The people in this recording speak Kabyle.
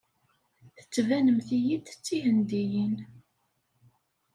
Tettbanemt-iyi-d d Tihendiyin.